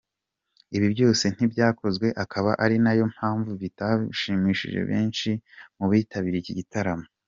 Ibi byose ntibyakozwe akaba ari nayo mpamvu bitashimishije benshi mu bitabiriye iki gitaramo.